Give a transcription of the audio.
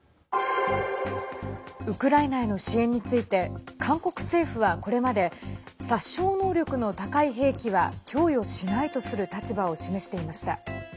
ウクライナへの支援について韓国政府は、これまで殺傷能力の高い兵器は供与しないとする立場を示していました。